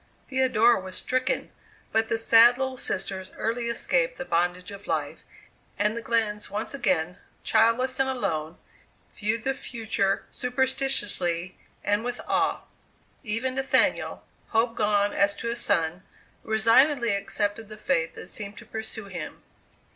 Theodora was stricken; but the sad little sisters early escaped the bondage of life, and the Glenns once again, childless and alone, viewed the future superstitiously and with awe. Even Nathaniel, hope gone as to a son, resignedly accepted the fate that seemed to pursue him.